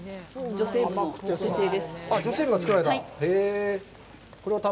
女性部が作られた？